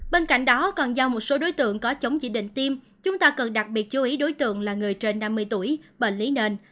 bên cạnh đó còn do một số đối tượng có chống chỉ định tiêm chúng ta cần đặc biệt chú ý đối tượng là người trên năm mươi tuổi bệnh lý nền